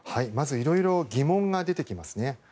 いろいろ疑問が出てきますね。